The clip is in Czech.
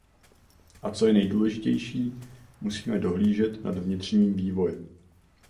A co je nejdůležitější, musíme dohlížet nad vnitřním vývojem.